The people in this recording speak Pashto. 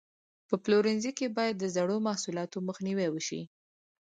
په پلورنځي کې باید د زړو محصولاتو مخنیوی وشي.